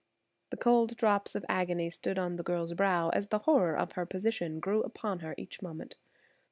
The cold drops of agony stood on the girl's brow as the horror of her position grew upon her each moment.